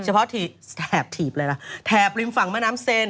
เพาะแถบถีบอะไรล่ะแถบริมฝั่งแม่น้ำเซน